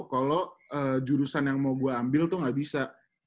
kalau jurusan yang mau gue ambil tuh nggak bisa